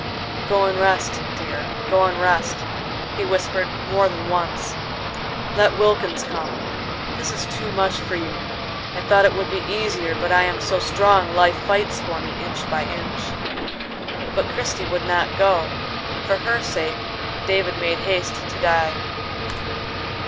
"Go and rest, dear; go and rest," he whispered more than once. "Let Wilkins come: this is too much for you. I thought it would be easier, but I am so strong life fights for me inch by inch." But Christie would not go, and for her sake David made haste to die.